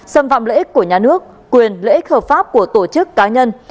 xâm phạm lợi ích của nhà nước quyền lợi ích hợp pháp của tổ chức cá nhân